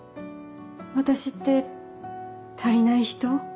私って足りない人？